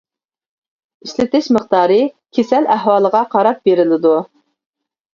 ئىشلىتىش مىقدارى كېسەل ئەھۋالىغا قاراپ بېرىلىدۇ.